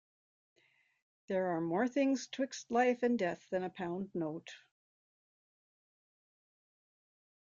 There are more things twixt life and death than a pound note.